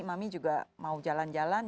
mami juga mau jalan jalan